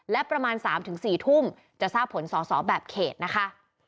และประมาณ๓๔ทุ่มจะทราบผลสอสอแบบเขตนะคะ